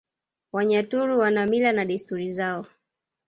Wanyaturu wana Mila na Desturi zao